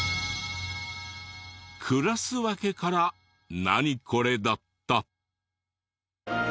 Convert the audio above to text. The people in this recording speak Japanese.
クラス分けからナニコレだった。